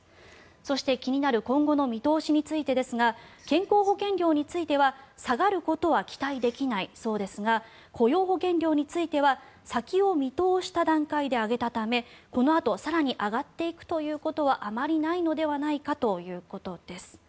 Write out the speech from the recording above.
そして、気になる今後の見通しについてですが健康保険料については下がることは期待できないそうですが雇用保険料については先を見通した段階で上げたためこのあと更に上がっていくということはあまりないのではないかということです。